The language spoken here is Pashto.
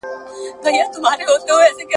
وړي لمبه پر سر چي شپه روښانه کړي `